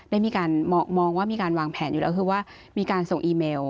ได้มีการมองว่ามีการวางแผนอยู่แล้วคือว่ามีการส่งอีเมล